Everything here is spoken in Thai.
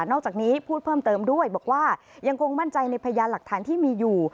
อกจากนี้พูดเพิ่มเติมด้วยบอกว่ายังคงมั่นใจในพยานหลักฐานที่มีอยู่